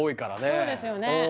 そうですよね